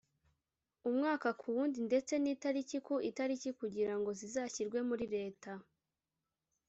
umwaka ku wundi ndetse n itariki ku itariki kugira ngo zizashyirwe muri leta